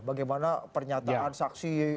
bagaimana pernyataan saksi